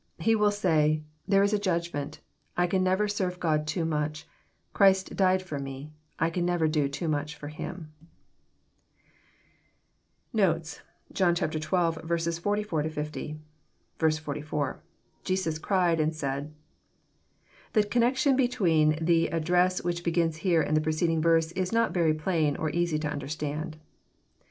He will say, " There is a judgment. I can never serve God too much. Christ died for me. I can never do too much for Him." Notes. John XII. 44—60. ii.—lJeaua cried and said."] The connection between the addresf which begins here and the preceding verse is not very plain or easy to understand.